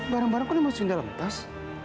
barang barang kan dimasukin dalam tas